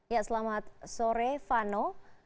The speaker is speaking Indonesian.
ya selamat sore fano